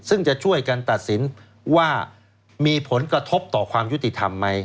ซึ่งจะช่วยกันตัดสินว่ามีผลกระทบต่อความยุติธรรมไหม